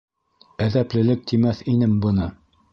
—Әҙәплелек тимәҫ инем быны.